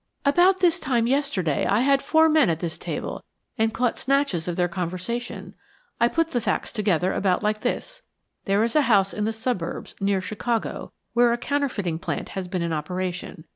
"About this time yesterday I had four men at this table and caught snatches of their conversation. I put the facts together about like this: There is a house in the suburbs, near Chicago, where a counterfeiting plant has been in operation.